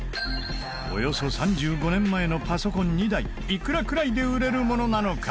およそ３５年前のパソコン２台いくらくらいで売れるものなのか？